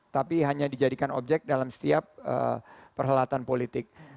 tapi hanya dijadikan objek dalam setiap perhelatan politik